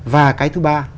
và cái thứ ba